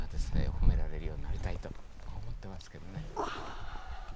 褒められるようになりたいとこう思ってますけどね。